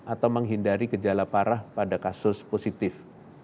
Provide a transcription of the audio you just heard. atau menghindari gejala parah pada kasus positif